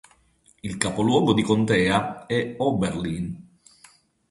Il capoluogo di contea è Oberlin.